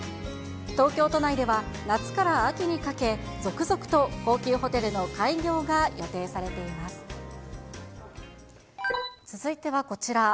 東京都内では、夏から秋にかけ、続々と高級ホテルの開業が予定さ続いてはこちら。